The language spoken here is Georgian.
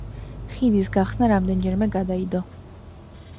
ხიდის გახსნა რამდენჯერმე გადაიდო.